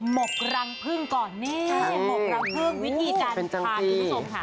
หกรังพึ่งก่อนนี่หมกรังพึ่งวิธีการทานคุณผู้ชมค่ะ